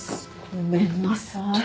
ごめんなさい。